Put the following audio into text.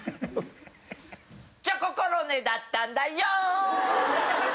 チョココロネだったんだよ！